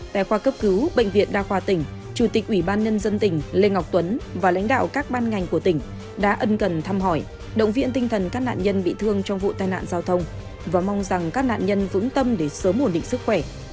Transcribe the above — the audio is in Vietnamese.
tại khoa cấp cứu bệnh viện đa khoa tỉnh chủ tịch ủy ban nhân dân tỉnh lê ngọc tuấn và lãnh đạo các ban ngành của tỉnh đã ân cần thăm hỏi động viên tinh thần các nạn nhân bị thương trong vụ tai nạn giao thông và mong rằng các nạn nhân vững tâm để sớm ổn định sức khỏe